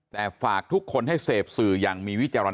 แต่ฝากทุกคนให้เสพสื่ออย่างมีวิจารณ